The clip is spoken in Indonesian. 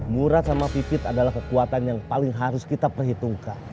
murad sama pipit adalah kekuatan yang paling harus kita perhitungkan